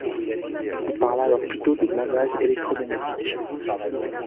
On parle alors plutôt de blindage électromagnétique.